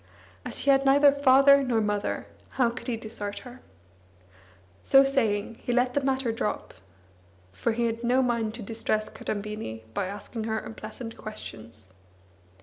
As she had neither father nor mother, how could he desert her? So saying, he let the matter drop, far he had no mind to distress Kadambini by asking her unpleasant questions.